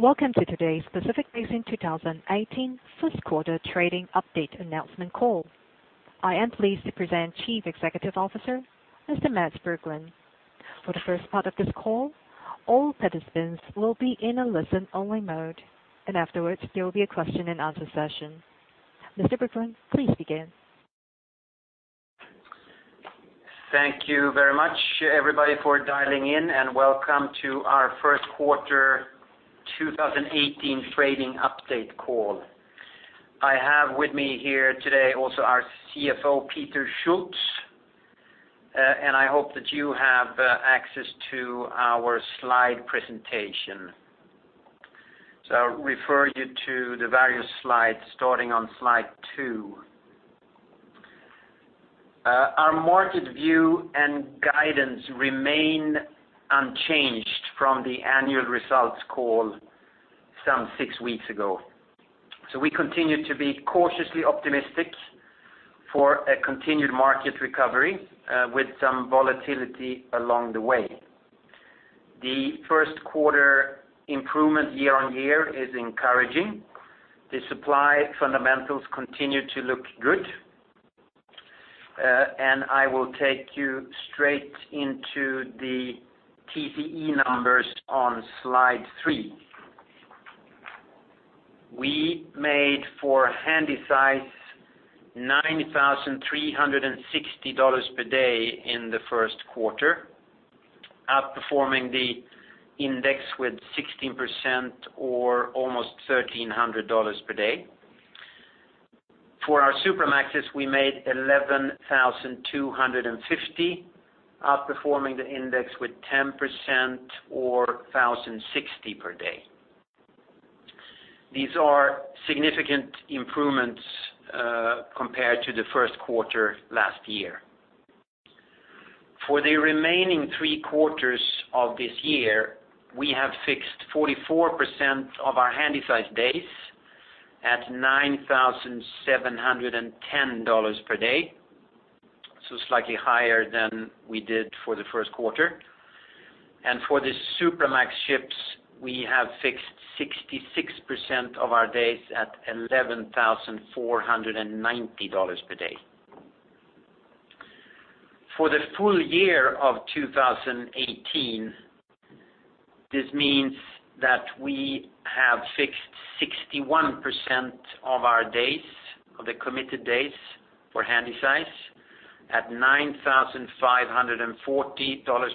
Welcome to today's Pacific Basin 2018 first quarter trading update announcement call. I am pleased to present Chief Executive Officer, Mr. Mats Berglund. For the first part of this call, all participants will be in a listen-only mode. Afterwards, there will be a question and answer session. Mr. Berglund, please begin. Thank you very much, everybody, for dialing in, and welcome to our first quarter 2018 trading update call. I have with me here today also our CFO, Peter Schulz, and I hope that you have access to our slide presentation. I'll refer you to the various slides starting on slide two. Our market view and guidance remain unchanged from the annual results call some six weeks ago. We continue to be cautiously optimistic for a continued market recovery, with some volatility along the way. The first quarter improvement year-on-year is encouraging. The supply fundamentals continue to look good. I will take you straight into the TCE numbers on slide three. We made for Handysize $9,360 per day in the first quarter, outperforming the index with 16% or almost $1,300 per day. For our Supramaxes, we made $11,250, outperforming the index with 10% or $1,060 per day. These are significant improvements, compared to the first quarter last year. For the remaining three quarters of this year, we have fixed 44% of our Handysize days at $9,710 per day, so slightly higher than we did for the first quarter. For the Supramax ships, we have fixed 66% of our days at $11,490 per day. For the full year of 2018, this means that we have fixed 61% of our days, of the committed days for Handysize at $9,540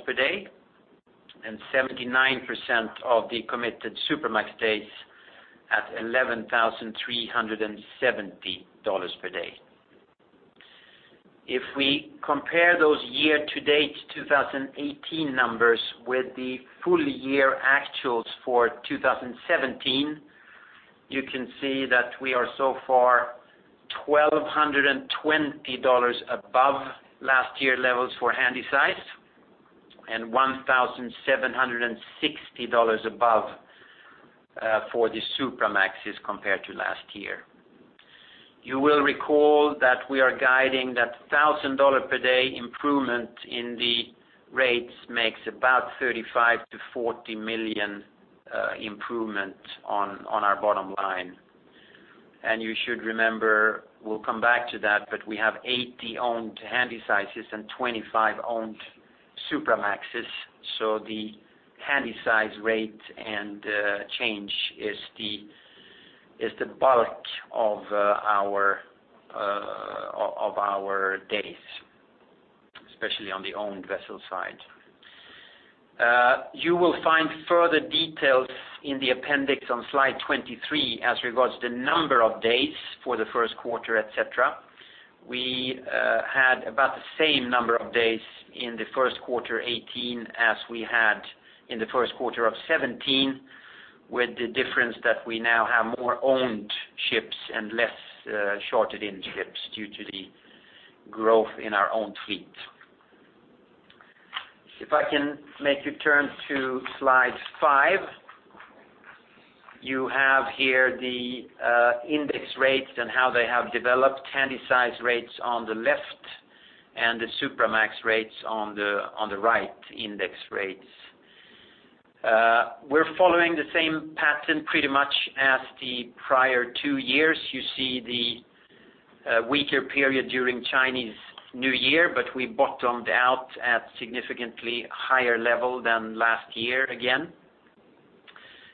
per day, and 79% of the committed Supramax days at $11,370 per day. If we compare those year-to-date 2018 numbers with the full year actuals for 2017, you can see that we are so far $1,220 above last year levels for Handysize, and $1,760 above for the Supramaxes compared to last year. You will recall that we are guiding that $1,000 per day improvement in the rates makes about $35 million-$40 million, improvement on our bottom line. You should remember, we'll come back to that, but we have 80 owned Handysizes and 25 owned Supramaxes, so the Handysize rate and change is the bulk of our days, especially on the owned vessel side. You will find further details in the appendix on slide 23 as regards to the number of days for the first quarter, et cetera. We had about the same number of days in the first quarter 2018 as we had in the first quarter of 2017, with the difference that we now have more owned ships and less chartered-in ships due to the growth in our own fleet. If I can make you turn to slide five, you have here the index rates and how they have developed Handysize rates on the left and the Supramax rates on the right, index rates. We're following the same pattern pretty much as the prior two years. You see the weaker period during Chinese New Year, but we bottomed out at significantly higher level than last year again.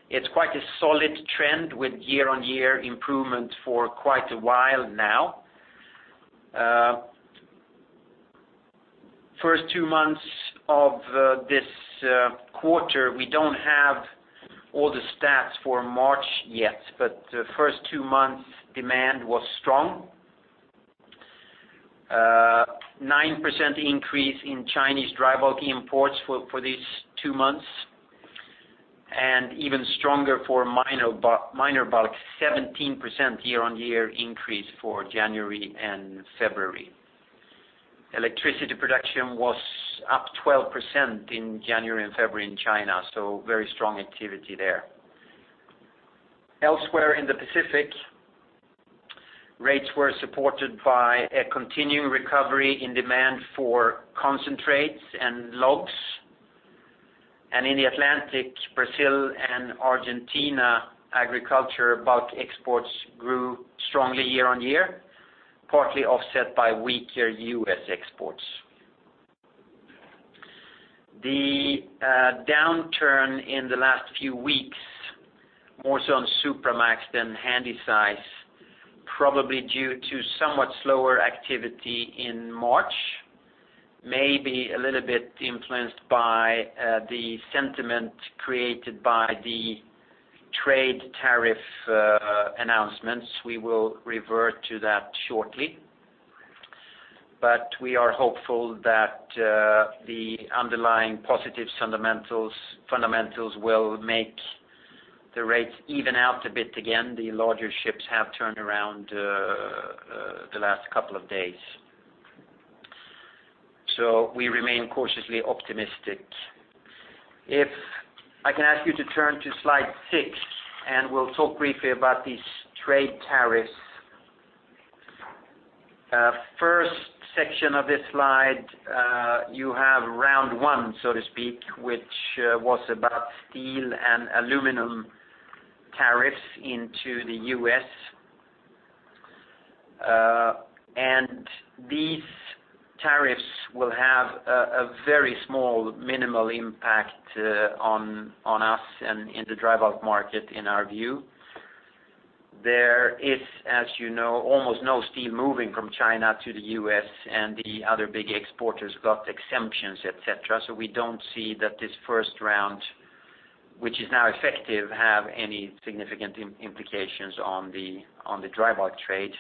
It's quite a solid trend with year-on-year improvement for quite a while now. First two months of this quarter, we don't have all the stats for March yet, but the first two months demand was strong. 9% increase in Chinese dry bulk imports for these two months, and even stronger for minor bulk, 17% year-on-year increase for January and February. Electricity production was up 12% in January and February in China. Very strong activity there. Elsewhere in the Pacific Rates were supported by a continuing recovery in demand for concentrates and logs. In the Atlantic, Brazil and Argentina agriculture bulk exports grew strongly year-on-year, partly offset by weaker U.S. exports. The downturn in the last few weeks, more so on Supramax than Handysize, probably due to somewhat slower activity in March, maybe a little bit influenced by the sentiment created by the trade tariff announcements. We will revert to that shortly. We are hopeful that the underlying positive fundamentals will make the rates even out a bit again. The larger ships have turned around the last couple of days. We remain cautiously optimistic. If I can ask you to turn to slide six, we'll talk briefly about these trade tariffs. First section of this slide, you have round one, so to speak, which was about steel and aluminum tariffs into the U.S. These tariffs will have a very small, minimal impact on us and in the dry bulk market, in our view. There is, as you know, almost no steel moving from China to the U.S., and the other big exporters got exemptions, et cetera. We don't see that this first round, which is now effective, have any significant implications on the dry bulk trade.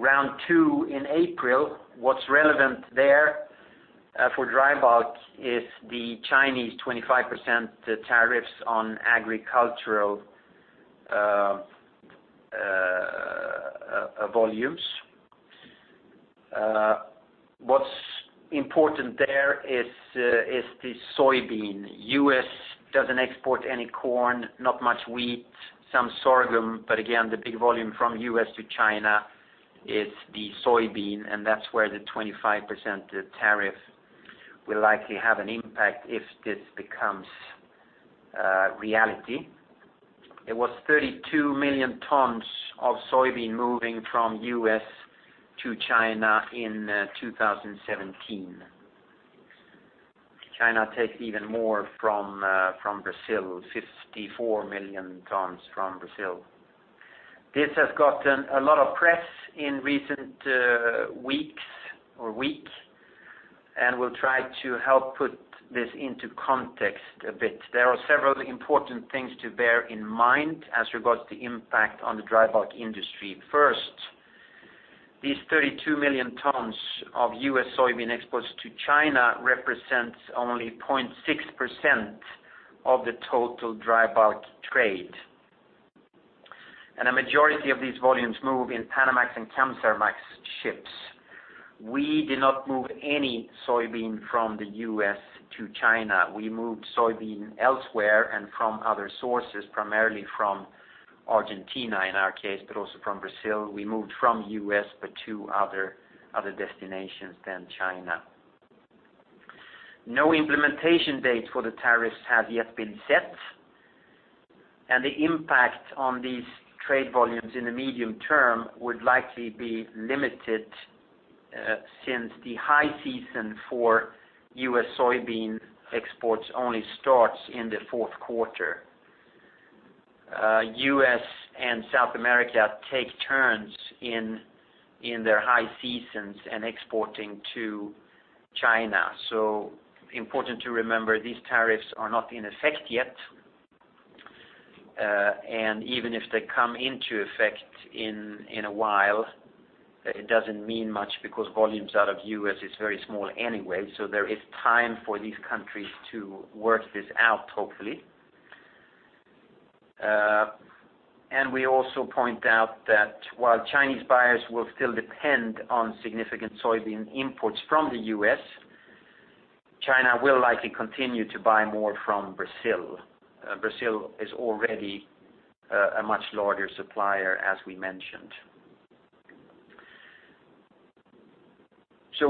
Round two in April, what's relevant there for dry bulk is the Chinese 25% tariffs on agricultural volumes. What's important there is the soybean. U.S. doesn't export any corn, not much wheat, some sorghum, but again, the big volume from U.S. to China is the soybean, and that's where the 25% tariff will likely have an impact if this becomes reality. It was 32 million tons of soybean moving from U.S. to China in 2017. China takes even more from Brazil, 54 million tons from Brazil. This has gotten a lot of press in recent weeks, or week. We'll try to help put this into context a bit. There are several important things to bear in mind as regards to impact on the dry bulk industry. First, these 32 million tons of U.S. soybean exports to China represents only 0.6% of the total dry bulk trade. A majority of these volumes move in Panamax and Capesize ships. We did not move any soybean from the U.S. to China. We moved soybean elsewhere and from other sources, primarily from Argentina, in our case, but also from Brazil. We moved from U.S., but to other destinations than China. No implementation dates for the tariffs have yet been set. The impact on these trade volumes in the medium term would likely be limited, since the high season for U.S. soybean exports only starts in the fourth quarter. U.S. and South America take turns in their high seasons and exporting to China. Important to remember, these tariffs are not in effect yet. Even if they come into effect in a while, it doesn't mean much because volumes out of U.S. is very small anyway, so there is time for these countries to work this out, hopefully. We also point out that while Chinese buyers will still depend on significant soybean imports from the U.S., China will likely continue to buy more from Brazil. Brazil is already a much larger supplier, as we mentioned.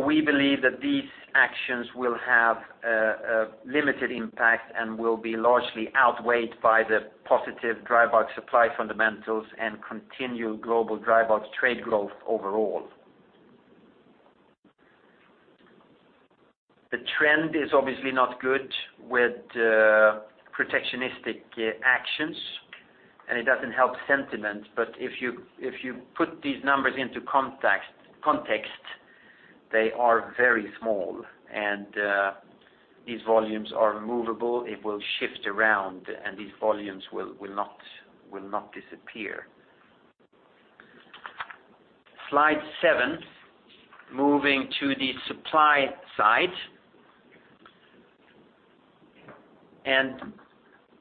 We believe that these actions will have a limited impact and will be largely outweighed by the positive dry bulk supply fundamentals and continued global dry bulk trade growth overall. The trend is obviously not good with protectionist actions, and it doesn't help sentiment. If you put these numbers into context, they are very small, and these volumes are movable. It will shift around, and these volumes will not disappear. Slide seven, moving to the supply side.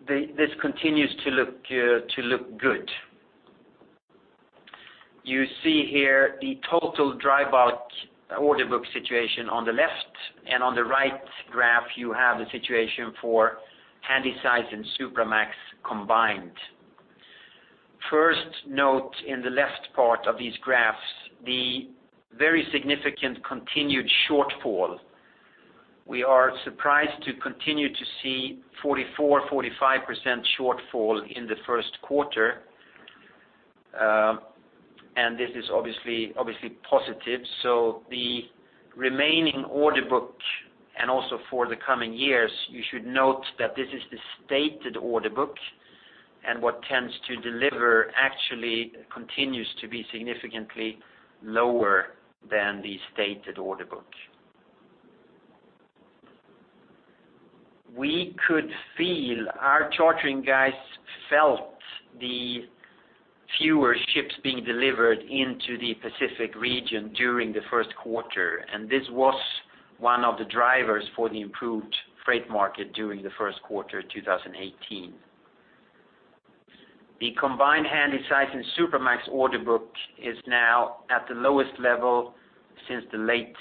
This continues to look good. You see here the total dry bulk order book situation on the left. On the right graph, you have the situation for Handysize and Supramax combined. First note in the left part of these graphs, the very significant continued shortfall. We are surprised to continue to see 44%, 45% shortfall in the first quarter. This is obviously positive. The remaining order book, and also for the coming years, you should note that this is the stated order book, and what tends to deliver actually continues to be significantly lower than the stated order book. We could feel, our chartering guys felt the fewer ships being delivered into the Pacific region during the first quarter, and this was one of the drivers for the improved freight market during the first quarter 2018. The combined Handysize and Supramax order book is now at the lowest level since the late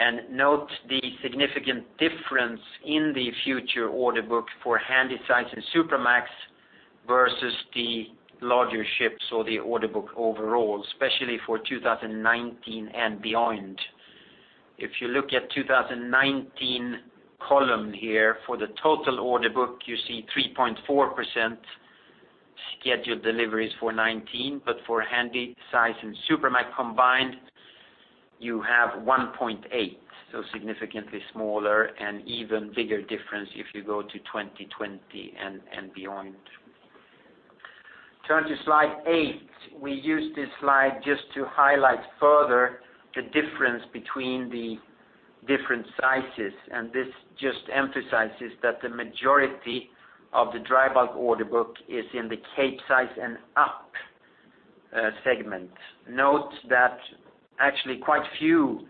1990s. Note the significant difference in the future order book for Handysize and Supramax versus the larger ships or the order book overall, especially for 2019 and beyond. If you look at 2019 column here, for the total order book, you see 3.4% scheduled deliveries for 2019. For Handysize and Supramax combined, you have 1.8, significantly smaller and even bigger difference if you go to 2020 and beyond. Turn to slide eight. We use this slide just to highlight further the difference between the different sizes, and this just emphasizes that the majority of the dry bulk order book is in the Capesize and up segment. Note that actually quite few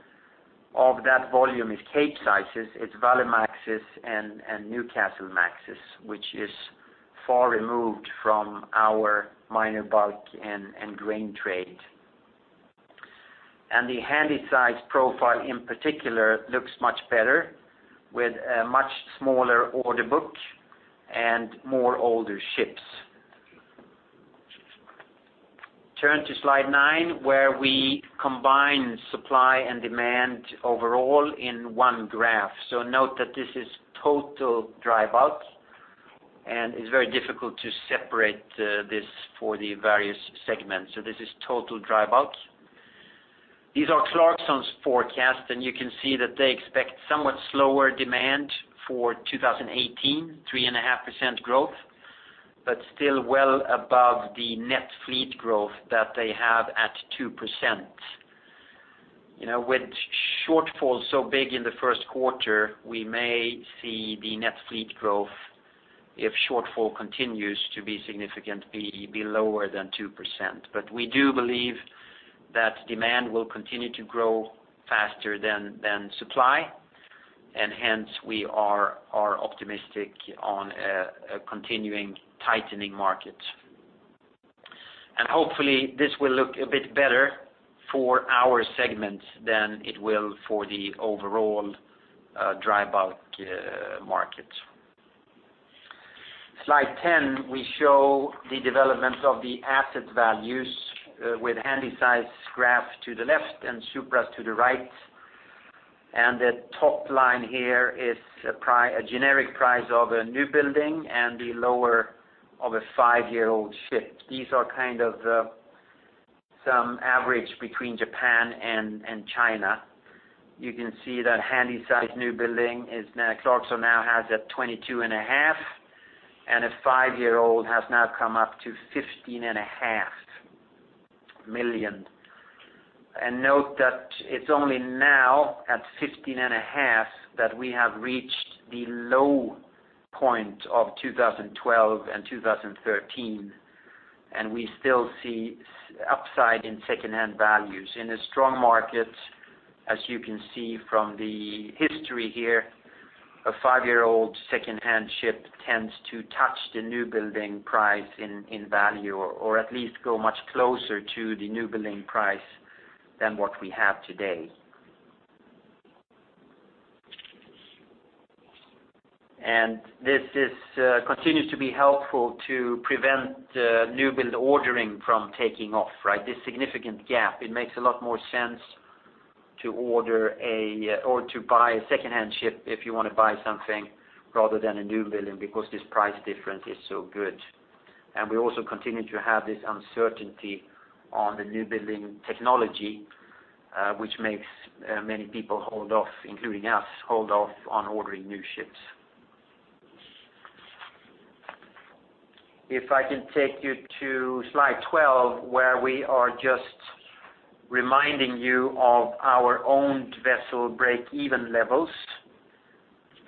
of that volume is Capesizes. It's Valemaxes and Newcastlemaxes, which is far removed from our minor bulks and grain trade. The Handysize profile, in particular, looks much better with a much smaller order book and more older ships. Turn to slide nine, where we combine supply and demand overall in one graph. Note that this is total dry bulk, and it's very difficult to separate this for the various segments. This is total dry bulk. These are Clarksons forecast, and you can see that they expect somewhat slower demand for 2018, 3.5% growth, but still well above the net fleet growth that they have at 2%. With shortfalls so big in the first quarter, we may see the net fleet growth, if shortfall continues to be significant, be lower than 2%. We do believe that demand will continue to grow faster than supply, and hence we are optimistic on a continuing tightening market. Hopefully, this will look a bit better for our segment than it will for the overall dry bulk market. Slide 10, we show the development of the asset values with Handysize graph to the left and Supras to the right. The top line here is a generic price of a new building and the lower of a five-year-old ship. These are some average between Japan and China. You can see that Handysize new building, Clarksons now has at $22.5 million, and a five-year-old has now come up to $15.5 million. Note that it's only now, at $15.5 million, that we have reached the low point of 2012 and 2013, and we still see upside in secondhand values. In a strong market, as you can see from the history here, a five-year-old secondhand ship tends to touch the new building price in value or at least go much closer to the new building price than what we have today. This continues to be helpful to prevent new build ordering from taking off, right. This significant gap, it makes a lot more sense to buy a secondhand ship if you want to buy something rather than a new building because this price difference is so good. We also continue to have this uncertainty on the new building technology, which makes many people hold off, including us, hold off on ordering new ships. If I can take you to slide 12, where we are just reminding you of our owned vessel break-even levels,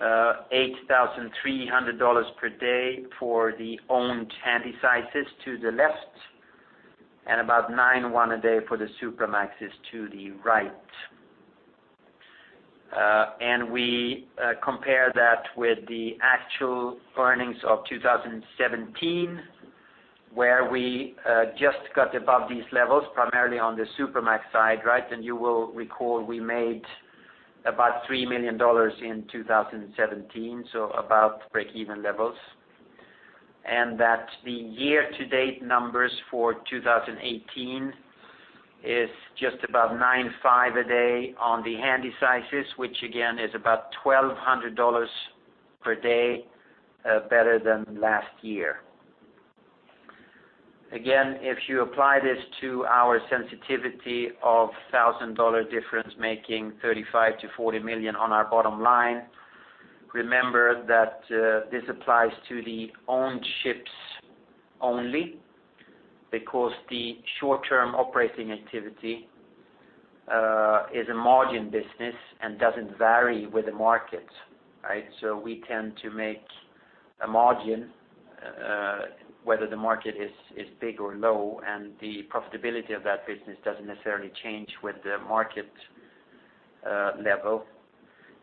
$8,300 per day for the owned Handysizes to the left and about $9,100 a day for the Supramaxes to the right. We compare that with the actual earnings of 2017, where we just got above these levels, primarily on the Supramax side. You will recall, we made about $3 million in 2017, so about breakeven levels. The year-to-date numbers for 2018 is just about $9,500 a day on the Handysizes, which again, is about $1,200 per day better than last year. Again, if you apply this to our sensitivity of $1,000 difference, making $35 million-$40 million on our bottom line, remember that this applies to the owned ships only, because the short-term operating activity is a margin business and doesn't vary with the market. We tend to make a margin, whether the market is big or low, and the profitability of that business doesn't necessarily change with the market level.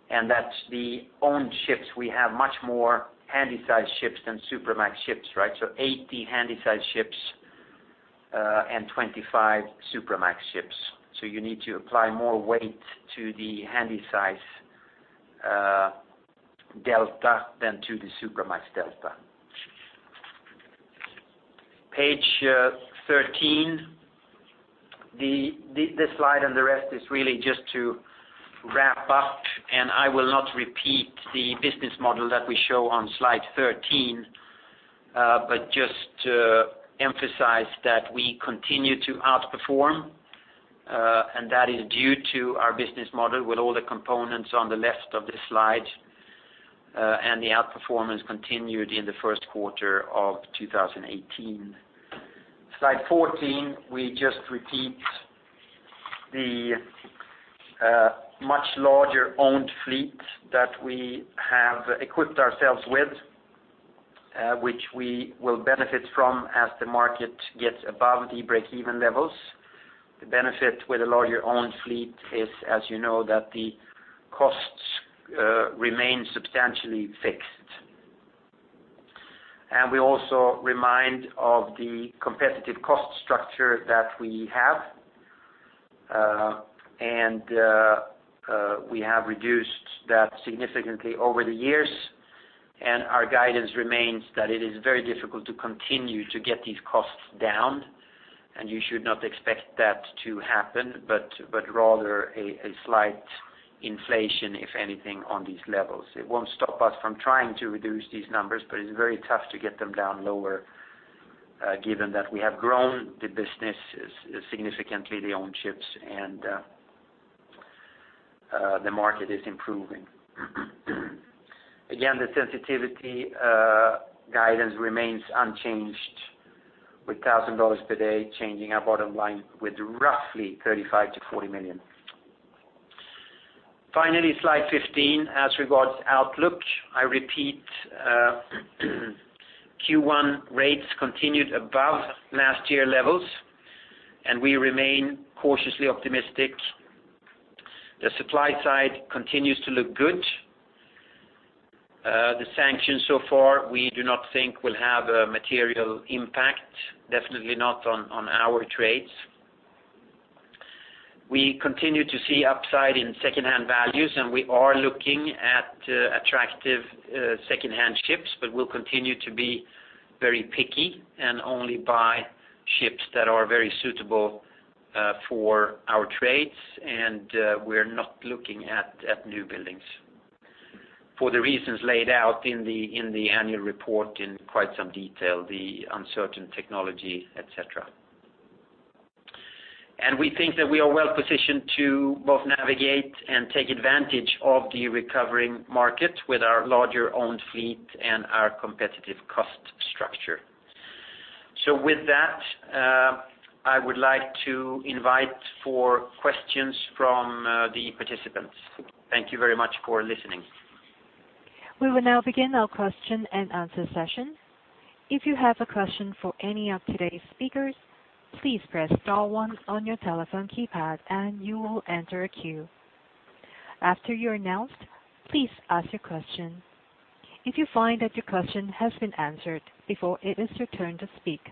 That's the owned ships. We have much more Handysize ships than Supramax ships. 80 Handysize ships and 25 Supramax ships. You need to apply more weight to the Handysize delta than to the Supramax delta. Page 13. This slide and the rest is really just to wrap up. I will not repeat the business model that we show on slide thirteen, but just to emphasize that we continue to outperform, and that is due to our business model with all the components on the left of the slide, and the outperformance continued in the first quarter of 2018. Slide fourteen, we just repeat the much larger owned fleet that we have equipped ourselves with, which we will benefit from as the market gets above the breakeven levels. The benefit with a larger owned fleet is, as you know, that the costs remain substantially fixed. We also remind of the competitive cost structure that we have. We have reduced that significantly over the years. Our guidance remains that it is very difficult to continue to get these costs down, and you should not expect that to happen, but rather a slight inflation, if anything, on these levels. It won't stop us from trying to reduce these numbers, but it's very tough to get them down lower, given that we have grown the business significantly, the owned ships, and the market is improving. Again, the sensitivity guidance remains unchanged with $1,000 per day changing our bottom line with roughly $35 million-$40 million. Finally, slide fifteen. As regards outlook, I repeat, Q1 rates continued above last year levels. We remain cautiously optimistic. The supply side continues to look good. The sanctions so far, we do not think will have a material impact, definitely not on our trades. We continue to see upside in secondhand values. We are looking at attractive secondhand ships, but we'll continue to be very picky and only buy ships that are very suitable for our trades. We're not looking at new buildings for the reasons laid out in the annual report in quite some detail, the uncertain technology, et cetera. We think that we are well-positioned to both navigate and take advantage of the recovering market with our larger owned fleet and our competitive cost structure. With that, I would like to invite for questions from the participants. Thank you very much for listening. We will now begin our question and answer session. If you have a question for any of today's speakers, please press star one on your telephone keypad and you will enter a queue. After you're announced, please ask your question. If you find that your question has been answered before it is your turn to speak,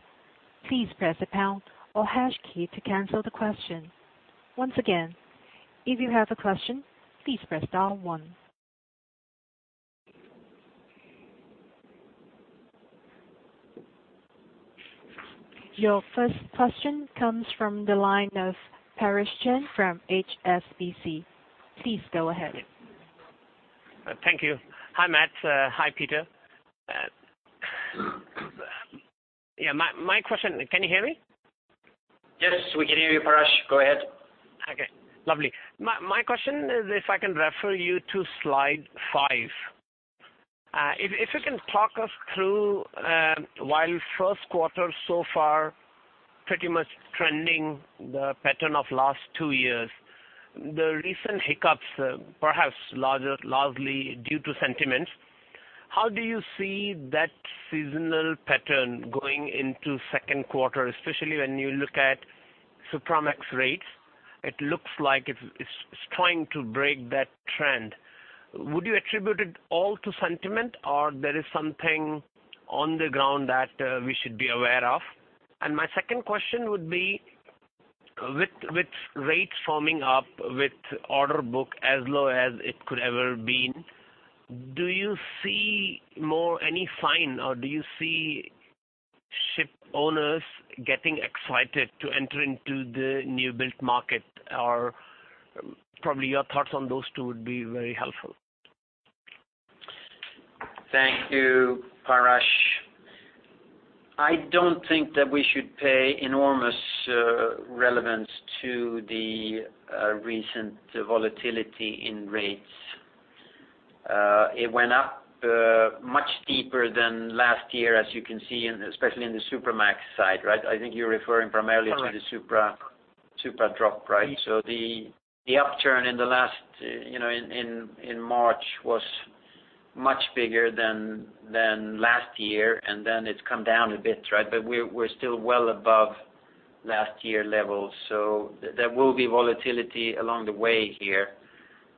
please press the pound or hash key to cancel the question. Once again, if you have a question, please press star one. Your first question comes from the line of Paresh Chan from HSBC. Please go ahead. Thank you. Hi, Mats. Hi, Peter. My question, can you hear me? Yes, we can hear you, Paresh. Go ahead. My question is if I can refer you to slide five. If you can talk us through, while first quarter so far pretty much trending the pattern of last two years, the recent hiccups, perhaps largely due to sentiments. How do you see that seasonal pattern going into second quarter, especially when you look at Supramax rates? It looks like it is trying to break that trend. Would you attribute it all to sentiment, or there is something on the ground that we should be aware of? My second question would be, with rates firming up with order book as low as it could ever been, do you see any sign, or do you see ship owners getting excited to enter into the new built market, or probably your thoughts on those two would be very helpful. Thank you, Paresh. I don't think that we should pay enormous relevance to the recent volatility in rates. It went up much deeper than last year, as you can see, and especially in the Supramax side, right? I think you are referring primarily to the Supra drop, right? The upturn in March was much bigger than last year, and then it has come down a bit, right? We are still well above last year levels. There will be volatility along the way here.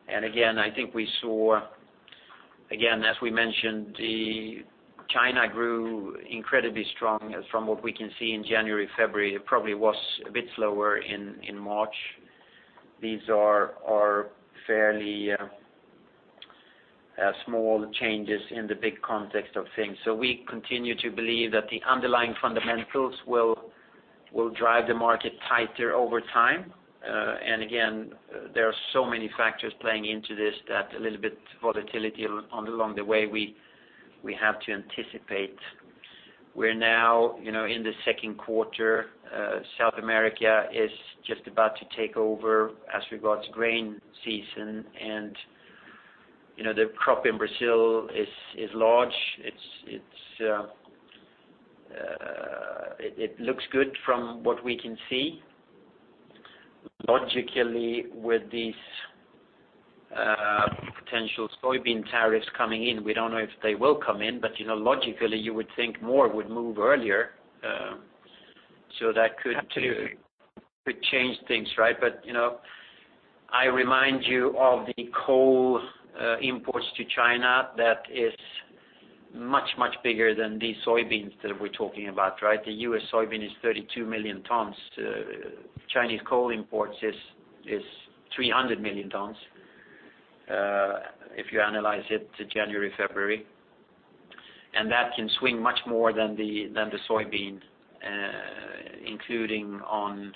Again, I think we saw, as we mentioned, China grew incredibly strong from what we can see in January, February. It probably was a bit slower in March. These are fairly small changes in the big context of things. We continue to believe that the underlying fundamentals will drive the market tighter over time. Again, there are so many factors playing into this that a little bit volatility along the way, we have to anticipate. We are now in the second quarter. South America is just about to take over as regards grain season, and the crop in Brazil is large. It looks good from what we can see. Logically, with these potential soybean tariffs coming in, we don't know if they will come in. Logically, you would think more would move earlier. Absolutely could change things, right? I remind you of the coal imports to China that is much, much bigger than the soybeans that we are talking about, right? The U.S. soybean is 32 million tons. Chinese coal imports is 300 million tons, if you annualize it to January, February. That can swing much more than the soybean, including on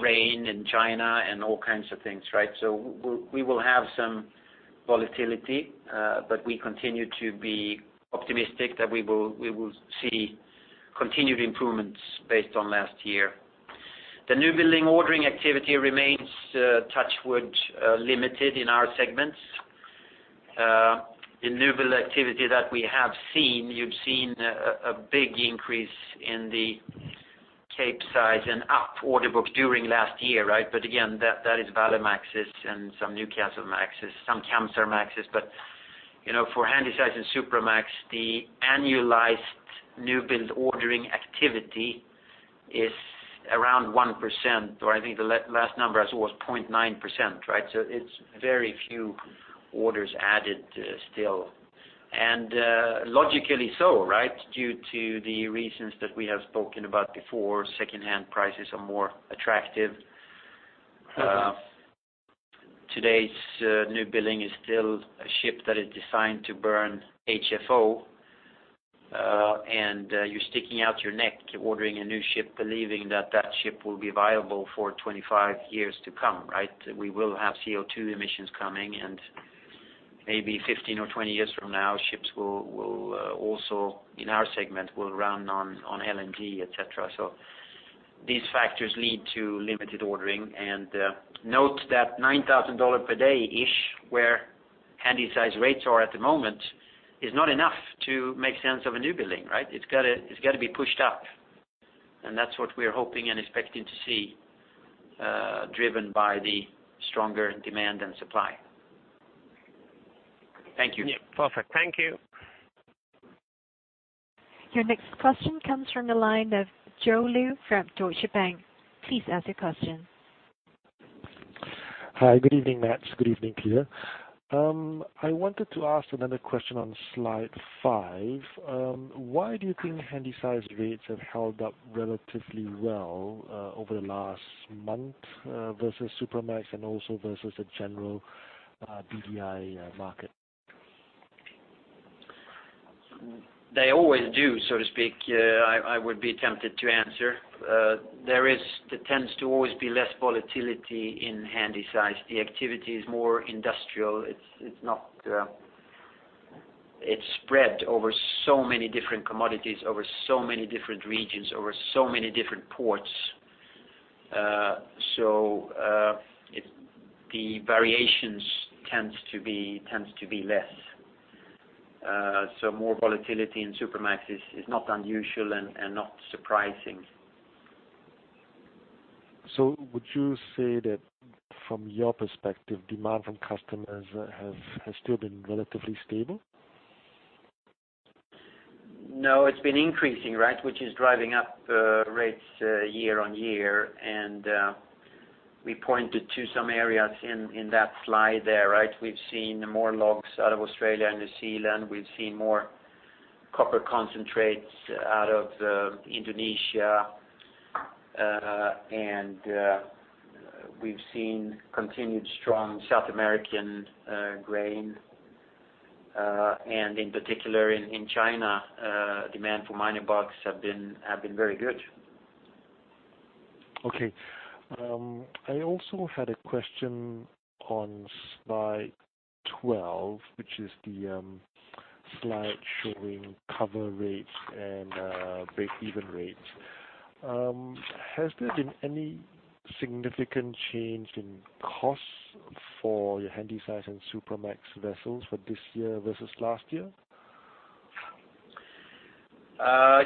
rain in China and all kinds of things, right? We will have some volatility, but we continue to be optimistic that we will see continued improvements based on last year. The new building ordering activity remains, touch wood, limited in our segments. The new build activity that we have seen, you have seen a big increase in the Capesize and up order books during last year, right? Again, that is Valemaxes and some Newcastlemaxes, some Kamsarmaxes. For Handysize and Supramax, the annualized new build ordering activity is around 1%, or I think the last number I saw was 0.9%, right? It is very few orders added still. Logically so, right? Due to the reasons that we have spoken about before, secondhand prices are more attractive. Today's new building is still a ship that is designed to burn HFO, and you are sticking out your neck ordering a new ship, believing that ship will be viable for 25 years to come, right? We will have CO2 emissions coming, and maybe 15 or 20 years from now, ships will also, in our segment, will run on LNG, et cetera. These factors lead to limited ordering. Note that $9,000 per day-ish, where Handysize rates are at the moment, is not enough to make sense of a new building, right? It has got to be pushed up, and that is what we are hoping and expecting to see, driven by the stronger demand and supply. Thank you. Yeah. Perfect. Thank you. Your next question comes from the line of Joe Lu from Deutsche Bank. Please ask your question. Hi, good evening, Mats. Good evening, Peter. I wanted to ask another question on slide five. Why do you think Handysize rates have held up relatively well over the last month, versus Supramax and also versus the general BDI market? They always do, so to speak, I would be tempted to answer. There tends to always be less volatility in Handysize. The activity is more industrial. It is spread over so many different commodities, over so many different regions, over so many different ports. The variations tends to be less. More volatility in Supramax is not unusual and not surprising. Would you say that from your perspective, demand from customers has still been relatively stable? No, it's been increasing, which is driving up rates year-over-year. We pointed to some areas in that slide there. We've seen more logs out of Australia and New Zealand. We've seen more copper concentrates out of Indonesia. We've seen continued strong South American grain. In particular, in China, demand for minor bulks have been very good. I also had a question on slide 12, which is the slide showing cover rates and break-even rates. Has there been any significant change in costs for your Handysize and Supramax vessels for this year versus last year?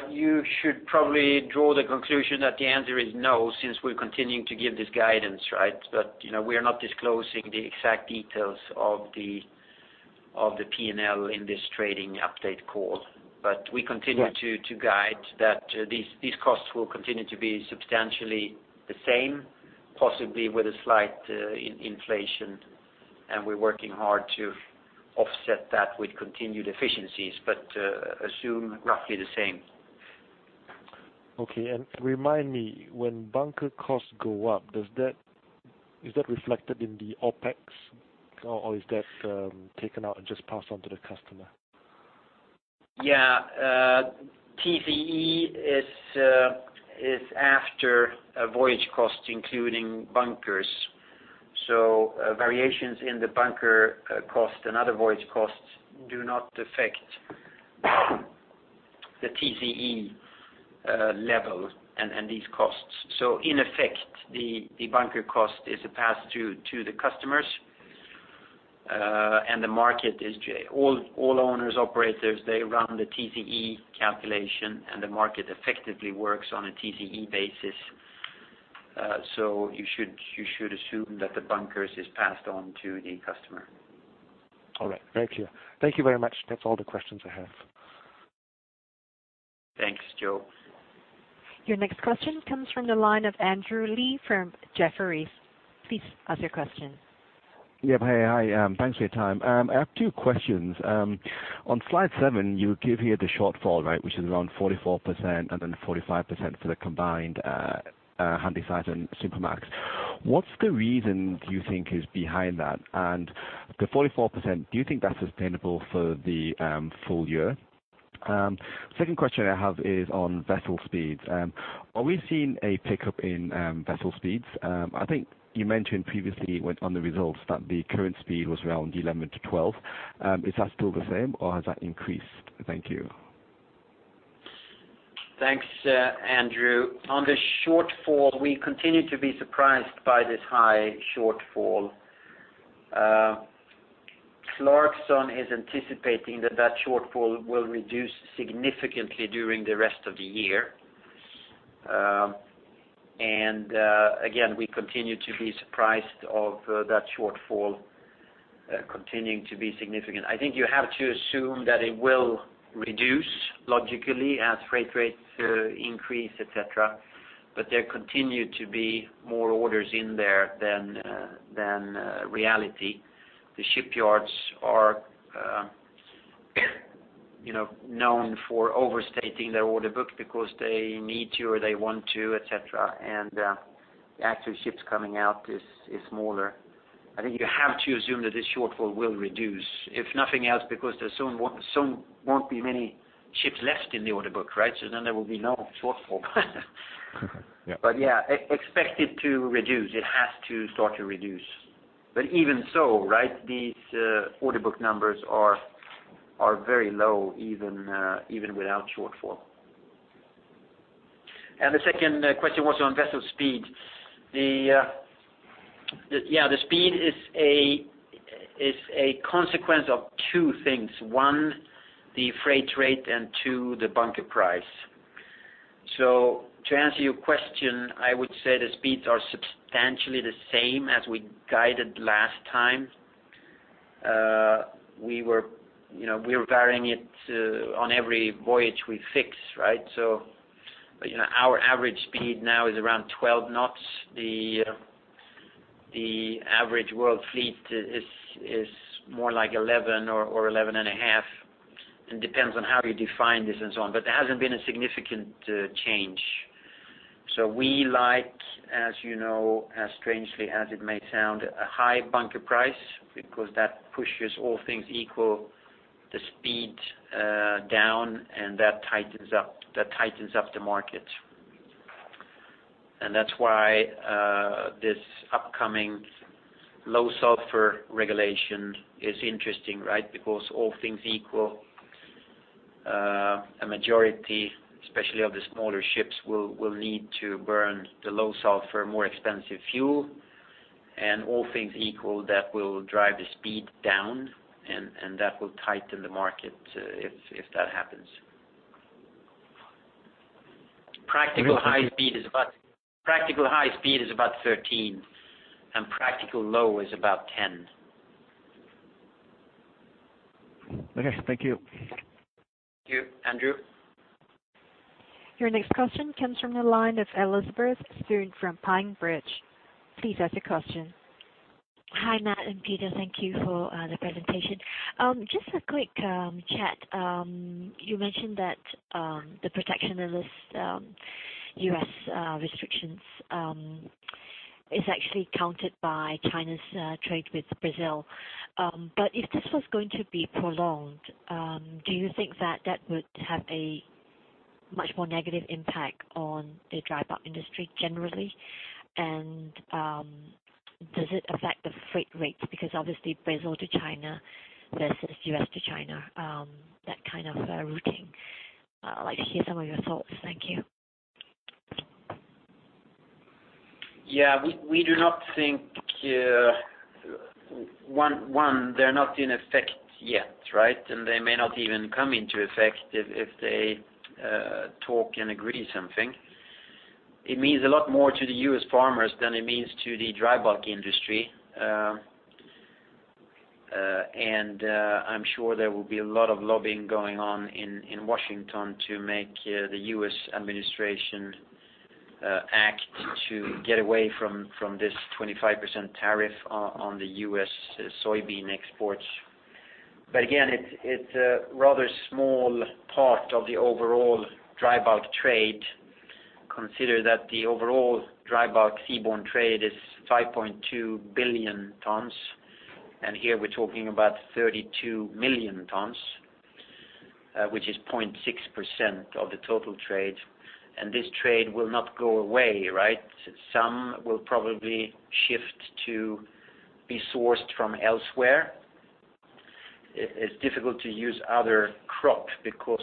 You should probably draw the conclusion that the answer is no, since we're continuing to give this guidance, right? We are not disclosing the exact details of the P&L in this trading update call. We continue to guide that these costs will continue to be substantially the same, possibly with a slight inflation, and we're working hard to offset that with continued efficiencies, but assume roughly the same. Okay. Remind me, when bunker costs go up, is that reflected in the OpEx, or is that taken out and just passed on to the customer? Yeah. TCE is after a voyage cost, including bunkers. Variations in the bunker cost and other voyage costs do not affect the TCE level and these costs. In effect, the bunker cost is passed through to the customers. All owners, operators, they run the TCE calculation, and the market effectively works on a TCE basis. You should assume that the bunkers is passed on to the customer. All right. Very clear. Thank you very much. That's all the questions I have. Thanks, Joe. Your next question comes from the line of Andrew Lee from Jefferies. Please ask your question. Yep. Hey, hi. Thanks for your time. I have two questions. On slide seven, you give here the shortfall, which is around 44% and then 45% for the combined Handysize and Supramax. What's the reason, do you think, is behind that? And the 44%, do you think that's sustainable for the full year? Second question I have is on vessel speeds. Are we seeing a pickup in vessel speeds? I think you mentioned previously on the results that the current speed was around 11 to 12. Is that still the same, or has that increased? Thank you. Thanks, Andrew. On the shortfall, we continue to be surprised by this high shortfall. Clarkson is anticipating that that shortfall will reduce significantly during the rest of the year. Again, we continue to be surprised of that shortfall continuing to be significant. I think you have to assume that it will reduce logically as freight rates increase, et cetera. There continue to be more orders in there than reality. The shipyards are known for overstating their order book because they need to, or they want to, et cetera, and the actual ships coming out is smaller. I think you have to assume that this shortfall will reduce, if nothing else, because there soon won't be many ships left in the order book, right? Then there will be no shortfall. Yeah. Yeah, expect it to reduce. It has to start to reduce. Even so, these order book numbers are very low, even without shortfall. The second question was on vessel speed. The speed is a consequence of two things, one, the freight rate, and two, the bunker price. To answer your question, I would say the speeds are substantially the same as we guided last time. We are varying it on every voyage we fix. Our average speed now is around 12 knots. The average world fleet is more like 11 or 11 and a half. It depends on how you define this and so on. There hasn't been a significant change. We like, as you know, as strangely as it may sound, a high bunker price because that pushes all things equal, the speed down, and that tightens up the market. That's why this upcoming low sulfur regulation is interesting. All things equal, a majority, especially of the smaller ships, will need to burn the low sulfur, more expensive fuel, and all things equal, that will drive the speed down, and that will tighten the market if that happens. Practical high speed is about 13, and practical low is about 10. Okay. Thank you. Thank you. Andrew? Your next question comes from the line of Elizabeth Soon from PineBridge. Please ask your question. Hi, Mats and Peter. Thank you for the presentation. Just a quick chat. You mentioned that the protectionist U.S. restrictions is actually countered by China's trade with Brazil. If this was going to be prolonged, do you think that that would have a much more negative impact on the dry bulk industry generally? Does it affect the freight rates because obviously Brazil to China versus U.S. to China, that kind of routing. I'd like to hear some of your thoughts. Thank you. Yeah, we do not think, one, they're not in effect yet, right? They may not even come into effect if they talk and agree something. It means a lot more to the U.S. farmers than it means to the dry bulk industry. I'm sure there will be a lot of lobbying going on in Washington to make the U.S. administration act to get away from this 25% tariff on the U.S. soybean exports. Again, it's a rather small part of the overall dry bulk trade. Consider that the overall dry bulk seaborne trade is 5.2 billion tons, and here we're talking about 32 million tons, which is 0.6% of the total trade. This trade will not go away, right? Some will probably shift to be sourced from elsewhere. It's difficult to use other crops because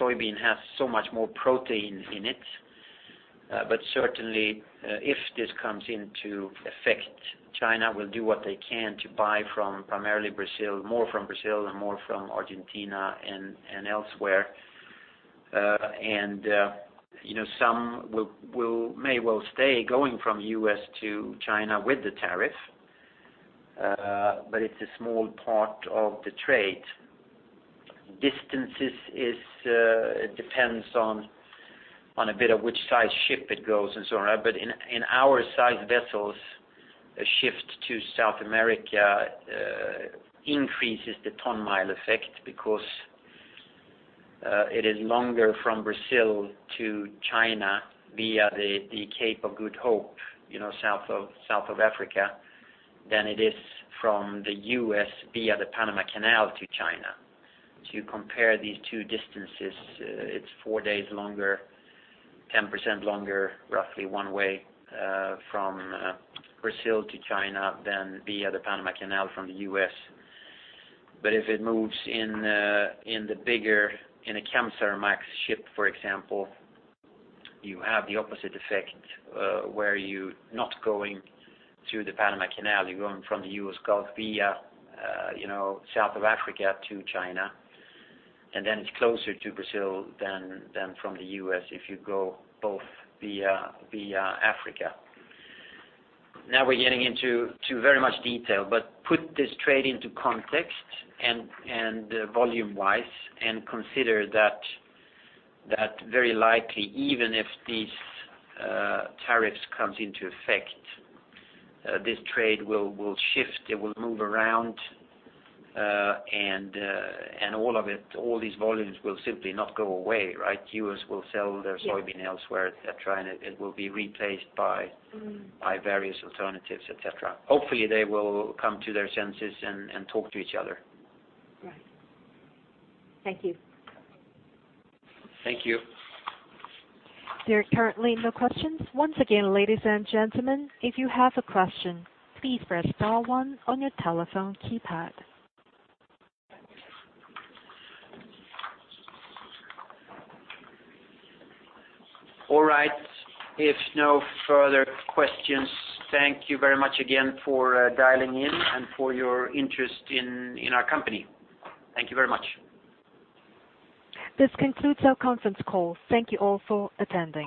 soybean has so much more protein in it. Certainly, if this comes into effect, China will do what they can to buy from primarily Brazil, more from Brazil and more from Argentina and elsewhere. Some may well stay going from U.S. to China with the tariff, but it's a small part of the trade. Distances depends on a bit of which size ship it goes and so on. In our size vessels, a shift to South America increases the ton mile effect because, it is longer from Brazil to China via the Cape of Good Hope, south of Africa than it is from the U.S. via the Panama Canal to China. To compare these two distances, it's four days longer, 10% longer, roughly one way, from Brazil to China than via the Panama Canal from the U.S. If it moves in the bigger, in a Kamsarmax ship, for example, you have the opposite effect, where you're not going through the Panama Canal, you're going from the U.S. Gulf via south of Africa to China. Then it's closer to Brazil than from the U.S. if you go both via Africa. Now we're getting into very much detail, but put this trade into context and volume-wise, and consider that very likely, even if these tariffs comes into effect, this trade will shift, it will move around, and all of it, all these volumes will simply not go away, right? U.S. will sell their soybean elsewhere, et cetera, and it will be replaced by various alternatives, et cetera. Hopefully, they will come to their senses and talk to each other. Right. Thank you. Thank you. There are currently no questions. Once again, ladies and gentlemen, if you have a question, please press star one on your telephone keypad. All right. If no further questions, thank you very much again for dialing in and for your interest in our company. Thank you very much. This concludes our conference call. Thank you all for attending.